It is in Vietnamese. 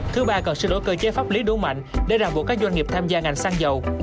thứ ba cần sửa đổi cơ chế pháp lý đủ mạnh để ràng buộc các doanh nghiệp tham gia ngành xăng dầu